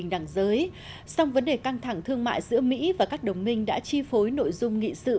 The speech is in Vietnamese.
trong vấn đề căng thẳng thương mại giữa mỹ và các đồng minh đã chi phối nội dung nghị sự